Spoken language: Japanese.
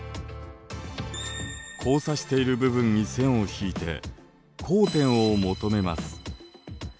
交差している部分に線を引いて交点を求めます。